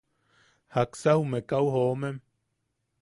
¿Jaksa jume kau jomem?